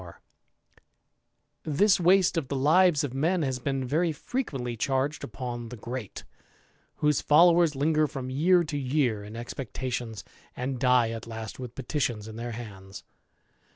284 THE IDLER, This waste of the lives of men has been very frequently charged upon the Great, whose followers linger from year to year in expectations, and die at last with petitions in their hands.